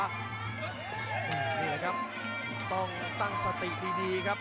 นี่แหละครับต้องตั้งสติดีครับ